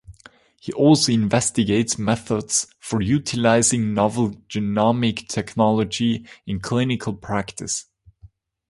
He also investigates methods for utilizing novel genomic technology in clinical practice.